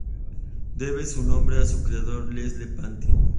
Debe su nombre a su creador Leslie Pantin.